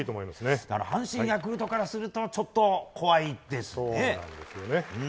阪神、ヤクルトからするとちょっと怖いですね。